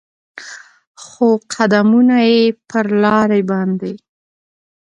خو قدمونو یې پر لارې باندې